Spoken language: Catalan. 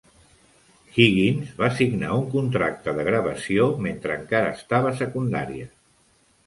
Higgins va signar un contracte de gravació mentre encara estava a secundària.